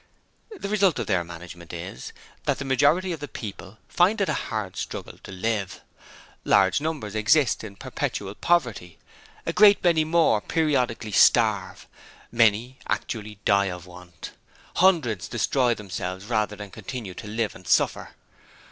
The result of their management is, that the majority of the people find it a hard struggle to live. Large numbers exist in perpetual poverty: a great many more periodically starve: many actually die of want: hundreds destroy themselves rather than continue to live and suffer.